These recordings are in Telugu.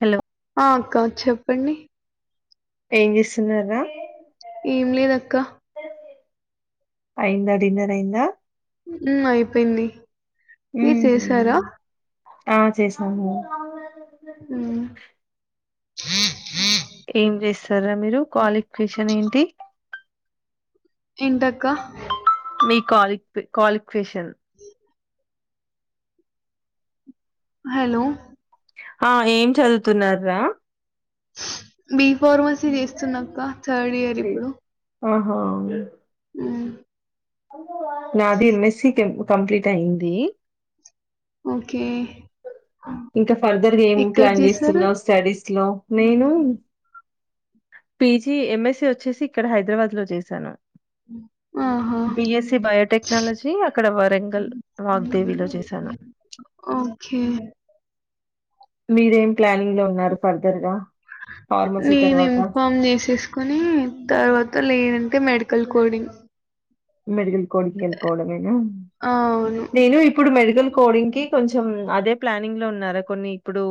హలో ఆ అక్క చెప్పండి. ఏం చేస్తున్నారూ రా ఏం లేదక్క. అయింద డిన్నర్ అయింద ఉమ్ అయిపోయింది మీరు మ్మ్హ్. చేసారా. ఆ చేసాను. ఉమ్ ఏం చేస్తారూ రా మీరు క్వాలిఫికేషన్ ఏంటి. ఏంటక్క మీ కాలి కాలిక్వేషన్ హలో ఆ ఏం చదువుతున్న రా బి ఫార్మసీ చేస్తున్నాక్క థర్డ్ ఇయర్ ఇప్పుడు ఆహాగ ఆ నాది ఎంఎస్సి కంప్లీట్ అయ్యిన్ది ఓకే ఇంకా ఫర్దర్ ఏం ఎక్కడ ప్లాన్ చేశారు చేస్తున్నావు స్టడీస్ లో నేను పిజి ఎంఎస్సి వచ్చేసి ఇక్కడ హైదరాబాద్ లో చేశాను ఆ బిఎస్స బయోటెక్నాలజీ అక్కడ వరంగల్ వాగ్దేవిలో చేశాను ఓకే మీరేం ప్లానింగ్ లో ఉన్నారు ఫర్దర్ గా నేను ఇన్ఫార్మ్ చేసేసుకుని తర్వాత లేదంటే మెడి క్కల్ కోడి మెడికల్ కోడ్కి వెళ్ళిపోవడమేనా ఆ అవును నేను ఇప్పుడు మెడికల్ కోడ్ంగ్కిి కొంచెం అదే ప్లానింగ్ లో ఉన్నారా కొన్ని ఇప్పుడు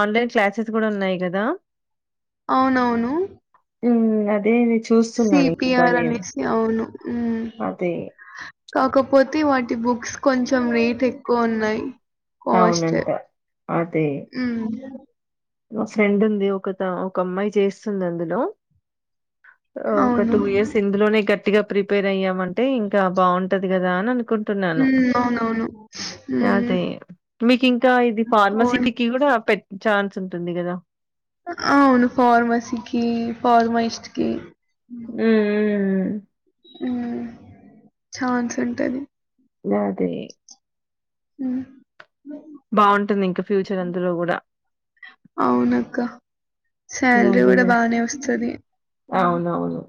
ఆన్లైన్ క్లాసెస్ కూడా ఉన్నాయి కదా అవునవును ఉ అదే చూస్తున్నాను ఇంకా సిపిిఆర్ నేను. అనేసి అవును అదే కాకపోతే వాటి బుక్స్ కొంచెం రేట్ ఎక్కువ ఉన్నాయి కాస్ట్ అవునంట. ఫ్రెం ఉంది ఒక ఒక అమ్మాయి చేస్తుంది అందులో ఒక అవును. టూ ఇయర్స్ ఇందులోనే గట్టిగా ప్రిపేర్ అయ్యామ అంటే ఇంకా బాగుంటది కదా అని అనుకుంటున్నాను. ఉ అవునవును హ్మ్. అదే మీకు ఇంకా ఇది ఓన్ ఫార్మసీకి కూడా పెట్ట ఛాన్స్ ఉంటుంది కదా అ అవును ఫార్మ సికి ఫార్మా ఇష్టకి ఉ ఛాన్స్ ఉంటది అదే హ బాగుంటుంది ఇంక ఫ్యూచర్ అందులో కూడా అవునక్క. శాలరీ కూడా బానే వస్తుది అవునవును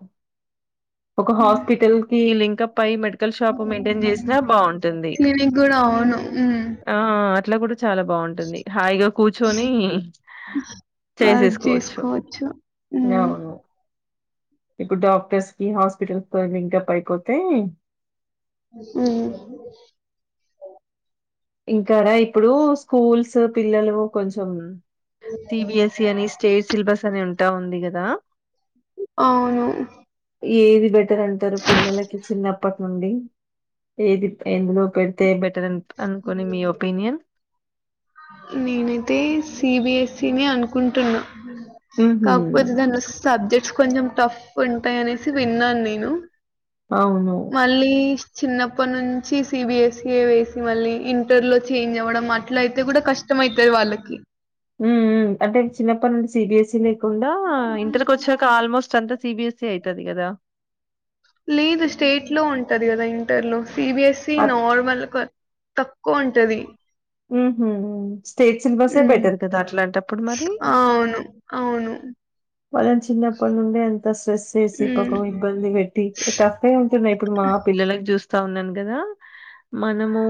ఒక హాస్పిటల్ కి లింక్ పై మెడికల్ షాప్ మెయింటైన్ చేసినా బాగుంటుంది క్లినిక్ గూడా అవును. హ్మ్. ఆ అట్లా గూడా చాలా బాగుంటుంది హాయిగా కూర్చొని వర్క్ చేసేసుకోవచ్చు జేసుకోవచ్చు. హ్మ్. అవును ఇప్పుడు డాక్టర్స్ కి హాస్పిటల్స్ ఇంకా ప అయిపోతేా ఆ ఇంకాడా ఇప్పుడు స్కూల్స్ పిల్లలు కొంచెం సిబిఎస్ఈ అని స్టేట్ సిలబస్ అని ఉంటా ఉంది కదా అవును ఏది బెటర్ అంటారు పిల్లలకి చిన్నప్పటి నుండి ఏది ఎందులో పెడితే బెట్టర్ నేనుతే సిబిఎస్ త అనుకుంటున్నా ఉహు కాకపోతే దాని సబ్జెక్ట్స్ కొంచెం టఫ్ ఉంటాయి అనేసి విన్నాను నేను అవును మళ్ళీ చిన్నప్పటి నుంచి సిబిఎస్ఈఏ వేసి మళ్ళీ ఇంటర్ లో చేంజ్ అవ్వడం అట్ల అయితే కూడా కష్టం అయితది వాళ్ళకి హ్మ్ హు అంటే చిన్నప్పటి నుండి సిబిఎస్ఈ లేకుండా ఇంటర్కి వచ్చాక ఆల్మోస్ట్ సంత సిబిఎస్ ఏ అయితది కదా లేదు స్టేట్ లో ఉంటంది కదా ఇంటర్లో సిబిఎస్ఈ నార్మల్ తక్కువుంటది హ్మ్ హు అవును స్టేట్ సిలబస్సే హ్మ్. బెటర్ కదా అట్లాంటప్పుడు మరి అవును. అవును. వాళ్ళని చిన్నప్పటి నుండే అంతస్ స్ట్రెస్ చేసి హ్మ్. పాపం ఇబ్బంది పెట్టి టఫే ఉంటున్నయి ఇప్పుడు మా పిల్లలకి చూస్ సౌనాన్ గదా మనము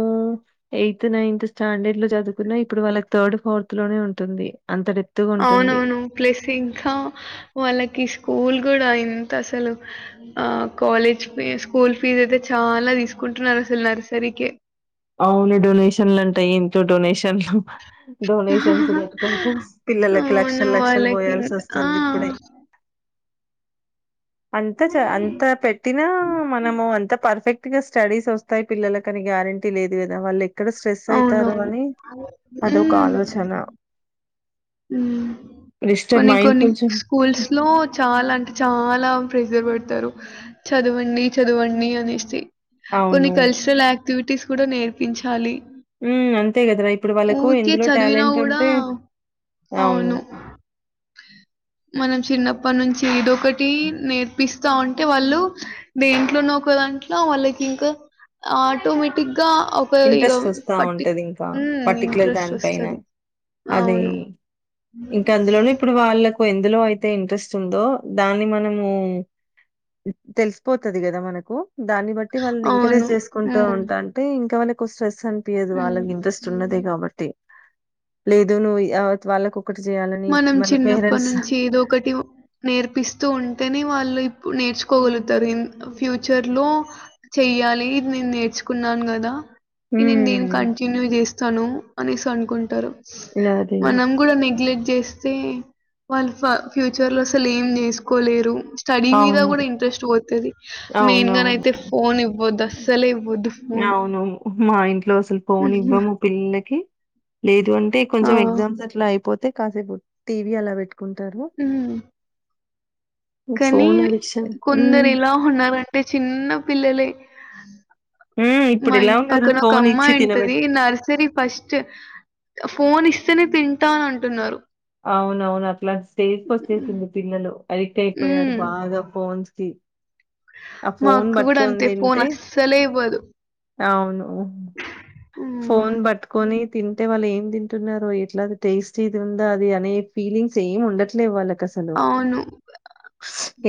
ఎయిత్, నైన్త్ స్టాండర్డ్ లో చదువుకున్న ఇప్పుడు వాళ్ళకి థర్డ్ ఫోర్త్ లోనే ఉంటుంది. అంత డెప్త్‌గా ఉంటుంది. అవునవును ప్లస్ ఇంకా వాళ్ళకి స్కూల్ కూడా ఎంత అసలు ఆ కాలేజ్ ఫీ స్కూల్ ఫీ ఇదైతే చాలా తీసుకుంటున్నారు అసలు నర్సరీకె అవును డొనేషన్లంటా ఎంతో డొనేషన్లు డొనేషన్స్ కట్టుకుంటూ పిల్లలకి అవును లక్షల్ లక్షలు పోయాల్సి వాళ్ళకింక ఆ! వస్తుంది. ఇప్పుడే అంత చ అంత పెట్టినా మనము అంత పర్ఫెక్ట్ ఇగ స్టడీస్ వస్తాయి పిల్లలకని గ్యారంటీ లేదు కదా వాళ్ళ ఎక్కడ స్ట్రెస్ అయితారో అవునవును. అని అది ఒక హ్మ్. ఆలోచన హ్మ్ డిస్టర్బ్ కొన్ని మైండ్ కొన్ని కొంచెం స్కూల్స్ లో చాలా అంటే చాలా ప్రెజర్ పెడతారు చదవండి చదవండి అనేసి అవును. కొన్ని కల్చరల్ యా క్ట్విటీస్ కూడా నేర్పించాలి. హ్మ్ అంతే గదార ఇప్పుడు వాళ్ళకు ఊరికే ఎందులో చదివినా టాలెంట్ గూడా ఉంటే అవును మనం చిన్నప్పనుంచి ఎదొ ఒకటి నేర్పిస్ స్తా ఉంటే వాళ్ళు దేంట్లోనో ఒక దాంట్ల వాళ్ళకి ఇంకా ఆటోమేటిక్గా ఒక ఇగ ఇంట్రెస్ట్ వస్తా పట్టి ఉంటదింకా హ్మ్ ఇంట్రెస్ట్ వస్తది. అవును అదేయి ఇంకా అందులోనే ఇప్పుడు వాళ్ళ కు ఎందులో అయితే ఇంట్రెస్ట్ ఉందో దాన్ని మనము తెలిసిపోతది కదా మనకు దాన్ని బట్టి వాళ్ళని అవును ఎంకరేజ్ చేసుకుంట ఉమ్ ఉంటాంటే ఇంకా వాళ్ళకు స్ట్రెస్ అనిపియదు ఉమ్ వాళ్ళకి ఇంట్రెస్ట్ ఉన్నదే కాబట్టి లేదు నువ్వు వాళ్ళకు మనం చిన్నప్పటి నుంచి ఏదో ఒకటి నేర్పిస్తూ ఉంటేనే వాళ్ళు ఇప్పుడు నేర్చుకోగలుగుతారు ఫ్యూచర్ లో చెయాలి ఇది నేను నేర్చుకున్నా కదా ఇది నేన్ హ్మ్. కంటిన్యూ చేస్తను అనేసి అనుకుంటరు. అది. మనం కూడా నెగ్లెక్ట్ చేస్తే వాళ్ళు ఫ్యూచర్ లో అసలు ఏం చేసుకోలేరు. స్టడీ మీద అవును. కూడా ఇంట్రెస్ట్ పోతది మెయిన్గా అవునవును. నయితే ఫోన్ ఇవ్వోద్దు అసల్ అవును మా ఇంట్లో అసలు ఫోన్ హ్మ్. ఇవ్వము పిల్లలకి లేదు ఉంటే ఆ కొంచెం ఎగ్జామ్స్ అట్లా అయిపోతే కాసేపు టీవీ అలా పెట్ ఉంటారు. కనీ కొందరు హ్మ్. ఎలా ఉన్నారంటే చిన్న పిల్లలే హ్మ్. మా ఇప్పుడెలా ఇంటి ఉన్నారు పక్కన ఒక ఫోన్ ఇచ్చి అమ్మాయి ఉంటది. తినబెట్ నర్సరీ ఫస్ట్ ఫోన్ ఇస్తనే తింటా అంటున్నారు అవునవును అట్లాంటి స్టేజ్కి వచ్చేసింది పిల్లలు ఎడిట్ అయిపోయారు హ్మ్ బాగా ఫోన్స్ కి ఆ మా ఫోన్ అక్క కూడా పట్టుకొని అంతే ఫోన్ తింటే అస్సలే ఇవ్వదు అవును హ్మ్ ఫోన్ పట్టుకొని తింటే వాళ్ళు ఏం తింటున్నారు ఎట్లా టేస్ట్ ఇది ఉందా అది అనే ఫీలింగ్స్ ఏమి ఉండట్లే వాళ్ళకి అసలు అవును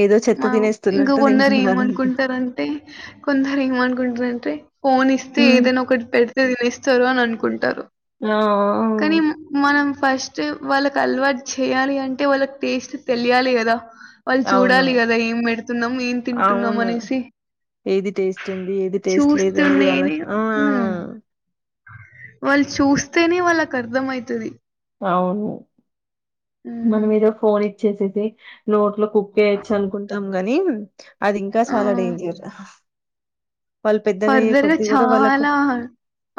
ఏదో చెత్త తినేస్తున్నట్టు తి దరు ఏమనుకుంటారంటే కొందరు ఏమనుకుంటారంటే ఫోన్ ఇస్తే హ్మ్ ఏదైనా ఒకటి పెడితే తినేస్తారు అని అనుకుంటారు ఆ కానీ మనం ఫస్ట్ వాళ్ళకి అలవాటు చేయాలి అంటే వాళ్ళకి టేస్ట్ తెలియాలి కదా వాళ్ళు ఆ అవును చూడాలి కదా ఏం పెడుతున్నాం ఏం తింటున్నాం అవును అనేసి ఏది టేస్ట్ ఉంది ఏది టేస్ట్ లేదు అనేది చూస్తూనేనే వాళ్లకు ఆ హ్మ్ వాళ్ళు చూస్తేనే వాళ్ళకు అర్థం అయితది అవును మన హ్మ్ ఏదో ఫోన్ ఇచ్చేసేది నోట్లో కుక్కేయాచ్చు అనుకుంటాం గాని అది ఇంకా ఆ చాలా డేంజర్ వాళ్ళు పెద్దగా అయ్యే ఫర్దర్గా కొద్దిీ కూడా వాళ్ళకు చాలా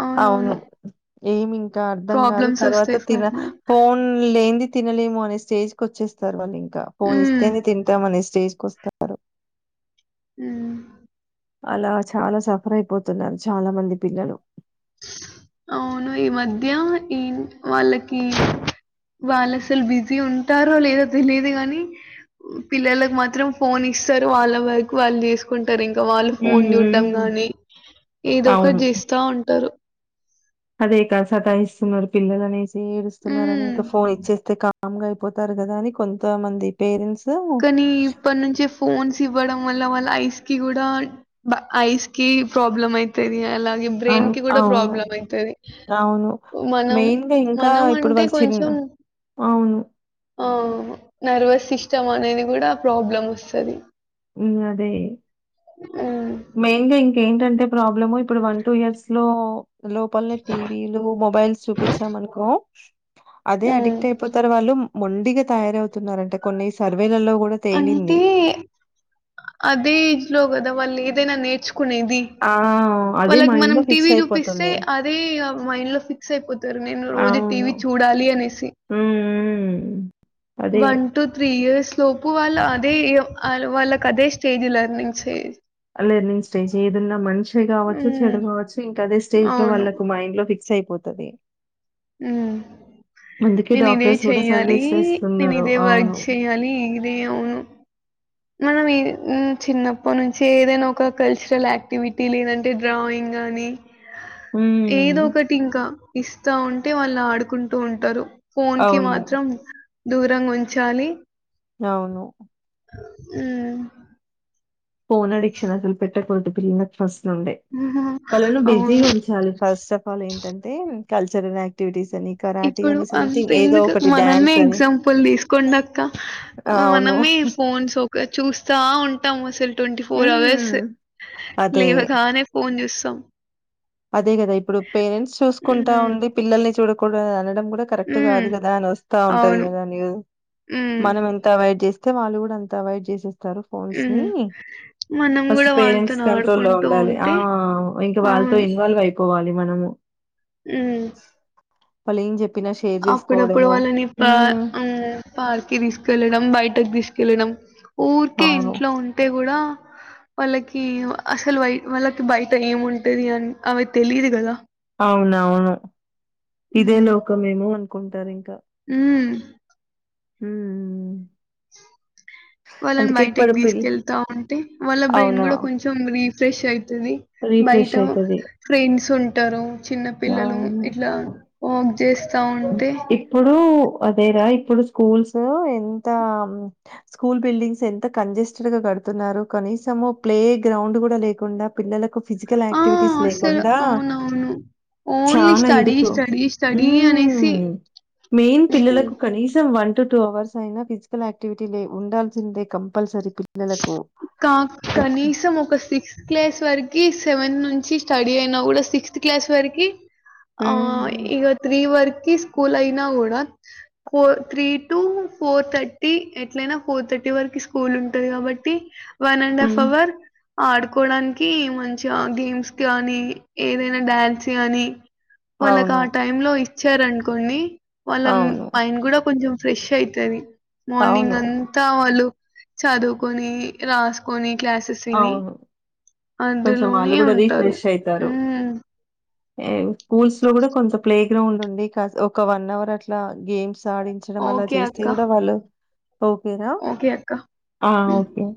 అవునవును అవును ఏమి ఇంకా అర్థం కాదు ప్రాబ్లమ్స్ తర్వాత వస్తాయి తిన ఫర్దర్ ఫోన్ లేంది తినలేము అనే స్టేజ్కి వచ్చేస్తారు వాళ్ళు ఇంకా ఫోన్ హ్మ్ ఇస్తేనే తింటాంనే స్టేజ్ కు వస్తారు ఉ అలా చాలా సఫర్ అయిపోతున్నారు చాలా మంది పిల్లలు అవును ఈ మధ్య ఇన్ వాళ్ళకి వాళ్ళు అసలు బిజీ ఉంటారో లేదో తెలిదు గాని పిల్లలలకు మాత్రం ఫోన్ ఇస్తారు వాళ్ళ వరకు వాళ్ళు చేసుకుంటారు ఇంక్ ఇంకా వాళ్ళు హ్మ్ ఫోన్ చూడ్డం హ్మ్ గానీ ఏదో ఒకటి అవును. చేస్తా ఉంటారు అదే కా సతా ఇస్తున్నారు పిల్లలు అనేసి ఏడుస్తున్నారు అని హ్మ్. ఇక ఫోన్ ఇచ్చేస్తే క కంగా అయిపోతారు కదా అని కొంతమంది పేరెంట్స్ అవును. కానీ ఇప్పటి నుంచే ఫోన్స్ ఇవ్వడం మళ్ల వాళ్ళ ఐస్ కి కూడా బా ఐస్ కి ప్రాబ్లం అయితది అలా గే బ్రెయిన్ కి కూడా అవును. ప్రాబ్లం అయితది అవును. మనం మెయిన్‌గా ఇంకా మనం ఇప్పుడు అంటే వాళ్ళు చిన్న కొంచెం అవును ఆ నర్వస్ సిస్టమ్ అనేది కూడా ప్రాబ్లమ్ వస్తది ఉ అదే ఉమ్, మయిన్గా ఇంక్ ఏంటంటే ప్రాబ్లమ్ ఇప్పుడు వన్ టూ ఇయర్స్ లో లోపలనే టీవీలు మొబైల్స్ చూపించాంనుకో అదే ఉమ్. అడిక్ట్ అయిపోతారు వాళ్ళు మొండిగా తయారవుతున్నారు అంట కొన్ని సర్వేలలో గూడా తేలింది. అంటే అదే ఏజ్ లో కదా వాళ్ళు ఏదైనా నేర్చు కునేది ఆ! అదే వాళ్ళకి మనం మైండ్‌లో ఫిక్స్ టీవీ చూపిస్తే అయిపోతుంది. అదే ఇగ మైండ్ లో ఫిక్స్ అయిపోత్ తారు నేను రోజు అవును. టీవీ చూడాలి అనేసి హ్మ్. హ్మ్. అదే వన్ టు త్రీ ఇయర్స్ లోపు వాళ్ళ అదే వాళ్ళకి అదే stage learning stage learning stage ఏదున్నా మంచే కావచ్చు ఉమ్ చెడు కావచ్చు ఇంకా అదే స్టేజ్ లో అవును వాళ్లకు మైండ్ లో ఫిక్స్ అయిపోతాది ఉ అందుకే నేను ఇదే డాక్టర్స్ కూడా చెయ్యాలి సజెస్ట్ నేను చేస్తున్నారు. ఇదే వర్క్ అవును. చేయ్యాలి ఇదే అవును మనం ఈ చిన్నప్పటి నుంచి ఏదైనా ఒక కల్చరల్ యాక్టివిటీ లేదంటే డ్రాయింగ్ గాని ఏదో హ్మ్. ఒకటి ఇంకా ఇస్తా ఉంటే వాళ్ళు ఆడుకుంటూ ఉంటారు ఫోన్ కి అవును. మాత్రం దూరంగా ఉంచాలి అవును ఉ ఫోన్ అడిక్షన్ అసలు పెట్టకూడదు పిల్లలకు ఫస్ట్ నుండే వాళ్లను అవును. బిజీగా ఉంచాలి ఫస్ట్ ఆఫ్ ఆల్ ఏంటంటే కల్చరల్ యాక్టివిటీస్ అని, కరాటీ ఇప్పుడు అని సంథింగ్ అంతే ఏదో ఎందుకు ఒకటి మనల్నే డాన్స్ అని. ఎగ్జాంపుల్ తీసుకోండి అక్క అవును. మనమే ఈ ఫోన్స్ ఒక చూస్తా ఉన్ టం అసలు ట్వంటీ ఫోర్ అవర్స్ హ్మ్. అదే. లేవగానే ఫోన్ చూస్తాం అదే కదా ఇప్పుడు పేరెంట్స్ చూసుకుంటా హ్మ్. ఉండి పిల్లల్ని చూడకూడదు అని అనడం కూడా కరెక్ట్ కాదు హ్మ్. కదా అని వాస్త ఉంటది అవును. కదా న్యూధు హ్మ్. మనం ఎంత అవాయిడు చేస్ తే వాళ్ళు కూడా అంత అవాయిడ్ చేసేస్ తారు ఫోన్స్ ని హ్మ్. మనం ఫస్ట్ గూడా పేరెంట్స్ వాళ్ళతోని కంట్రోల్లో ఆడుకుంటూ ఉండాలి ఆ ఉంటే ఇంకా వాళ్ ఇన్వాల్వ్ అయిపోవాలి మనము ఉ వాళ్లేం చెప్ అప్పుడప్పుడు వాళ్ళని పా అమ్ము పార్కి తీసుకెళ్ళడం బయటకి తీస్ కేళ్ళినం ఊరికే అవును. ఇంట్లో ఉంటే కూడా వాళ్ళకి అసలు వై వాళ్ళకి బయట ఏమి ఉంటది అని అవి తెలిదు కదా అవును అవును ఇదే లోకమేమో అనుకుంటారు ఇంకా ఉ హు వాళ్ళని బయటికి ఇప్పుడు పిల్ తీసుకెళ్తా ఉంటే వాళ్ళ బ్రెయిన్ అవునా? కూడా కొంచెం బ్రీఫ్ ఫ్రష్అయి రీఫ్రెష్ తదిబయట అయితది. ఫ్రెండ్స్ ఉంటరు చిన్న పిల్లలు ఇట్లా అవును. చేస్తా ఉంటే ఇప్పుడు అదేరా ఇప్పుడు స్కూల్స్ ఎంత స్కూల్ బిల్డింగ్స్ ఎంత కంజెస్టెడ్ గా కడుతున్నారు కనీసము ప్లే గ్రౌండ్ కూడా లేకుండా పిల్లలకు ఫిజికల్ ఆ ఆక్టివిటీస్ అసలు లేకుండా అవునవును ఓన్లీ చాలా స్టడీ ఇరుకు స్టడీ స్టడీ అనేసి ఉమ్ మెయిన్ ఉమ్ పిల్లలకు కనీసం వన్ టు టూ అవర్స్ అయినా ఫిజికల్ యాక్టివిటీ లే ఉండాల్సిందే కంపల్సరీ పిల్లలకు కా ఇప్- కనీసం ఒక సిక్స్ క్లాస్ త్వరికి సెవెన్ నుంచి స్టడీ అయినా కూడా సిక్స్త్ క్లాస్ వరికి ఆ మ్మ్. ఇగ త్రి వర్ కి స్కూల్ అయినా కూడా four three two four thirty ఎట్లయినా ఫోర్ థ ర్టీ వరకి స్కూల్ ఉంటంది కాబట్టి వన్ అండ్ హాఫ్ మ్మ్. అవర్ ఆడుకోడానికి మంచిగా గేమ్స్ గానీ ఏదైనా డ్యాన్స్ కానీ వాళ్ళకు అవును ఆ టైమ్ లో ఇచ్చారనుకొండి వాళ్ళ అవును మైండ్ కూడా కొంచెం ఫ్రెష్ అయితది మార్నింగ్ అవును అంతా వాళ్ళు చదువుకొని రాసుకొని క్లాసెస్ విని అవును కొంచెం వాళ్ళు అందులోనే ఉంటారు ఉ నేవు స్కూల్స్ లో కూడా కొంత ప్లే గ్రౌండ్ ఉండి కాస్ ఒక వన్ అవర్ అట్లా గేమ్స్ అడించడం అలా ఓకే చేస్తే అక్క కూడా వాళ్ళు ఓకే రా ఓకే అక్క అ హ్మ్ ఓకే